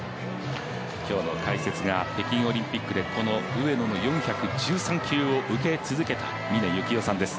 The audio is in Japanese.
今日の解説は北京オリンピックで上野の４１３球を受け続けた峰幸代さんです。